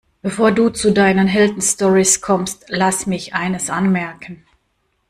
Bevor du zu deinen Heldenstorys kommst, lass mich eines anmerken.